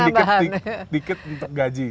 ada penambahan dikit untuk gaji